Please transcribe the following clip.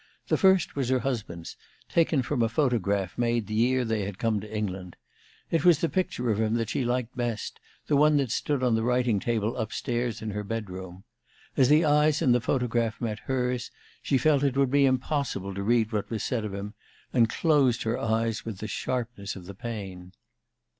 The first was her husband's, taken from a photograph made the year they had come to England. It was the picture of him that she liked best, the one that stood on the writing table up stairs in her bedroom. As the eyes in the photograph met hers, she felt it would be impossible to read what was said of him, and closed her lids with the sharpness of the pain.